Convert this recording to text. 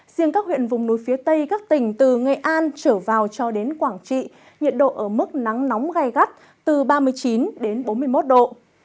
riêng các huyện vùng núi phía tây các tỉnh từ nghệ an trở vào cho đến quảng trị nhiệt độ ở mức nắng nóng gai gắt từ ba mươi chín đến bốn mươi một độ